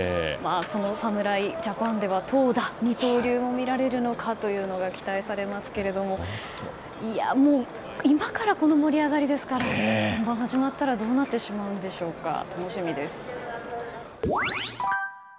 この侍ジャパンでは投打二刀流も見られるのかというのも期待されますけどもう、今からこの盛り上がりですから本番始まったらどうなってしまうんでしょうか楽しみです。